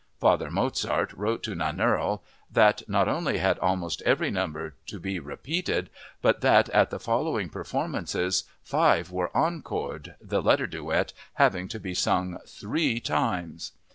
Father Mozart wrote to Nannerl that, not only had almost every number to be repeated, but that, at the following performance, five were encored, the "Letter Duet" having to be sung three times.